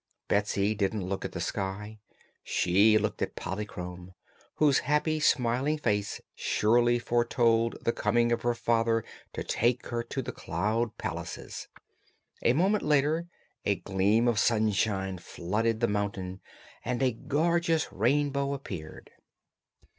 Betsy didn't look at the sky; she looked at Polychrome, whose happy, smiling face surely foretold the coming of her father to take her to the Cloud Palaces. A moment later a gleam of sunshine flooded the mountain and a gorgeous Rainbow appeared.